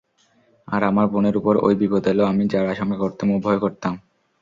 আর আমার বোনের উপর ঐ বিপদ এল আমি যার আশংকা করতাম ও ভয় করতাম।